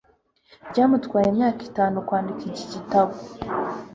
Byamutwaye imyaka itanu kwandika iki gitabo.